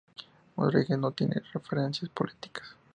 Rodríguez no tenía preferencias políticas.